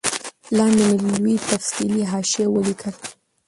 لاندي مي لوی تفصیلي حاشیه ولیکل